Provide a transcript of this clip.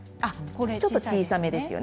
ちょっと小さめですよね。